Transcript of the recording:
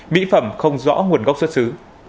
mỹ phẩm không rõ nguồn gốc xuất xứ